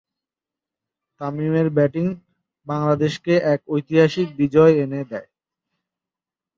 তামিমের ব্যাটিং বাংলাদেশকে এক ঐতিহাসিক বিজয় এনে দেয়।